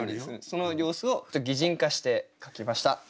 その様子を擬人化して書きました。